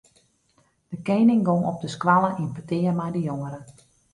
De kening gong op de skoalle yn petear mei de jongeren.